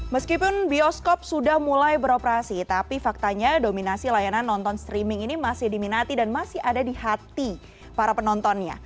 meskipun bioskop sudah mulai beroperasi tapi faktanya dominasi layanan nonton streaming ini masih diminati dan masih ada di hati para penontonnya